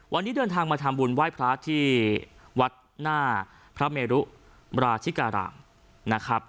วันนี้เดินทางมาทำบุญไหว้พระที่วัดหน้าพระเมรุราชิการามนะครับ